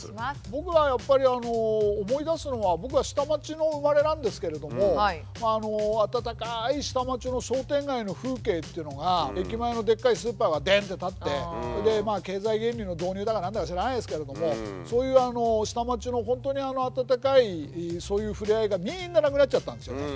僕はやっぱり思い出すのは僕は下町の生まれなんですけれども温かい下町の商店街の風景っていうのが駅前のでっかいスーパーがでんって建って経済原理の導入だか何だか知らないですけれどもそういう下町の本当に温かいそういう触れ合いがみんななくなっちゃったんですよね。